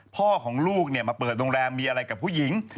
พ่อของลูกมาเปิดโรงแรมมีอะไรกับผู้หญิง